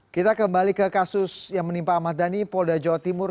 kita kembali ke kasus yang menimpa ahmad dhani polda jawa timur